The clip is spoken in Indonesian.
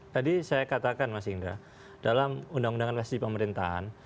tadi saya katakan mas indra dalam undang undang amnesty pemerintahan